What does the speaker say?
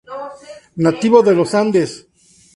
Nativo de los Andes.